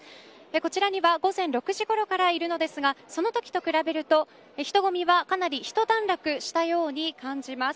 こちらには午前６時ごろからいるのですがそのときと比べると人ごみは、かなり一段落したように感じます。